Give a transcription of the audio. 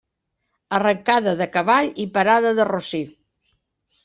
Arrancada de cavall i parada de rossí.